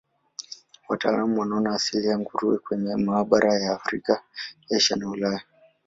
Wataalamu wanaona asili ya nguruwe kwenye mabara ya Afrika, Asia na Ulaya.